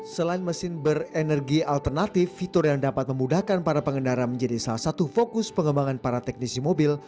selain mesin berenergi alternatif fitur yang dapat memudahkan para pengendara menjadi salah satu fokus pengembangan para teknisi mobil